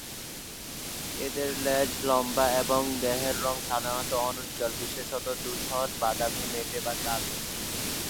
এদের লেজ লম্বা এবং দেহের রঙ সাধারণত অনুজ্জ্বল, বিশেষত ধূসর, বাদামি, মেটে বা কালো।